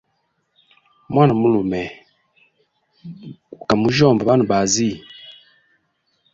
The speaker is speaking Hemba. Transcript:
Mwana mulume guka mujyomba banabazi.